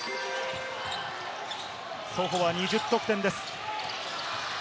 ソホは２０得点です。